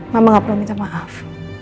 mama gak perlu minta maaf